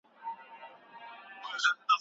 د ټولنیزو کړنو نمونې وپیژنه.